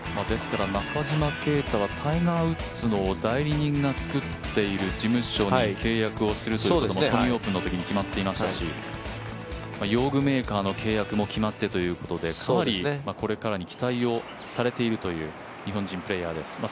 ですから、中島啓太はタイガー・ウッズの代理人が作っている事務所に契約をするということもセミオープンのときに決まっていましたし用具メーカーの契約も決まってということでかなりこれからに期待をされているという日本人プレーヤーです